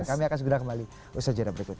kami akan juga kembali bersajaran berikut ini